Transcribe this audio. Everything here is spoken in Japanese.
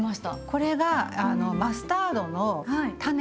これがマスタードの種。